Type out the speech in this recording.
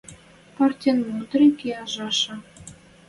Партин мудрый кишӓжӹ